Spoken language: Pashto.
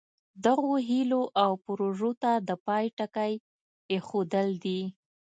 دغو هیلو او پروژو ته د پای ټکی ایښودل دي.